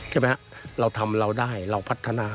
ใช่ไหมครับเราทำเราได้เราพัฒนา